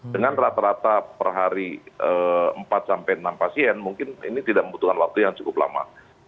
dengan rata rata per hari empat sampai enam pasien mungkin ini tidak membutuhkan waktu yang cukup lama